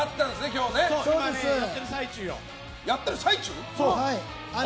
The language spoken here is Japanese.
今ね、やってる最中よ。